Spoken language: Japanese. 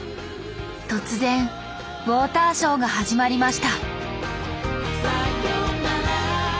突然ウォーターショーが始まりました